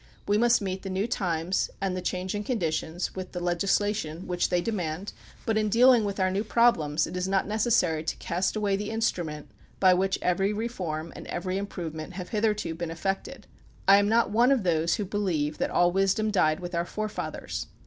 We must meet the new times and the change in conditions with the legislation which they demand, but in dealing with our new problems it is not necessary to cast away the instnmient by which every reform and every im provement have hitherto been effected. I am not one of those who believe that all wisdom died with our forefathers.